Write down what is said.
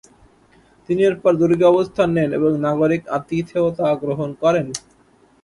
তিনি এরপর দুর্গে অবস্থান নেন এবং নাগরিক আতিথেয়তা গ্রহণ করেন।